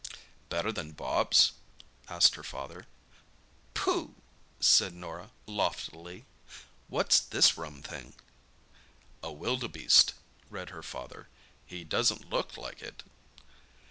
"Better than Bobs?" asked her father. "Pooh!" said Norah loftily. "What's this rum thing?" "A wildebeest," read her father. "He doesn't look like it."